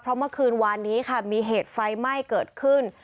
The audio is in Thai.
เพราะเมื่อคืนวานนี้ค่ะมีเหตุไฟไหม้เกิดขึ้น